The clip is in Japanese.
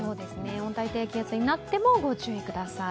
温帯低気圧になってもご注意ください。